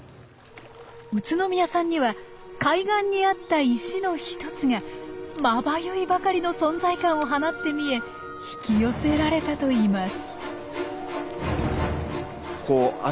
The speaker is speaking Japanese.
宇都宮さんには海岸にあった石の１つがまばゆいばかりの存在感を放って見え引き寄せられたといいます。